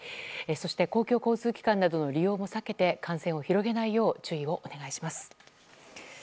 そして、公共交通機関などの利用も避けて感染を広げないよう注意をお願いします。